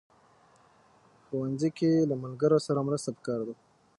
ښوونځی کې له ملګرو سره مرسته پکار ده